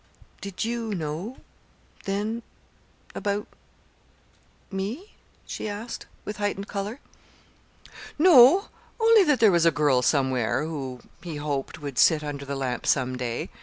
"Did you know then about me?" she asked, with heightened color. "No, only that there was a girl somewhere who, he hoped, would sit under the lamp some day.